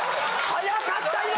早かったな。